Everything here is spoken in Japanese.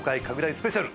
スペシャル。